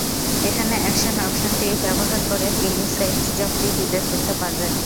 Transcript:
এখানে অ্যাকশন অপশনটি ব্যবহার করে তিনি সেইভড জবটি ডিলিট করতে পারবেন।